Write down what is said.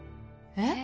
えっ？